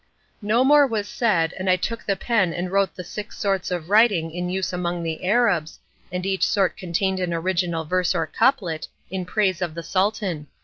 No more was said, and I took the pen and wrote the six sorts of writing in use among the Arabs, and each sort contained an original verse or couplet, in praise of the Sultan.